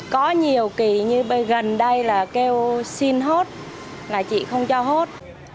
có nhiều kỳ như gần đây là kêu xin hốt là chị không cho hốt